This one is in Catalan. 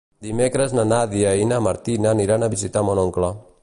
Dimecres na Nàdia i na Martina aniran a visitar mon oncle.